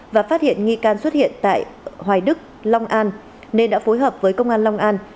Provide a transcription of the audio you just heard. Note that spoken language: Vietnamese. và phát hiện nghi can xuất hiện tại hoài đức long an nên đã phối hợp với công an long an